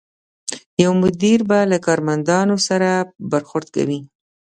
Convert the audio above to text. یو مدیر به له کارمندانو سره برخورد کوي.